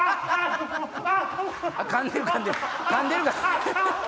かんでるかんでる。